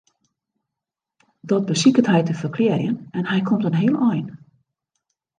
Dat besiket hy te ferklearjen en hy komt in heel ein.